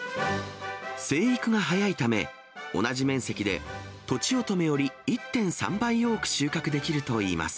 生育が早いため、同じ面積でとちおとめより１．３倍多く収穫できるといいます。